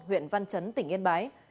huyện văn trấn tỉnh yên bái